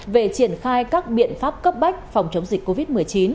về triển khai các biện pháp cấp bách phòng chống dịch covid một mươi chín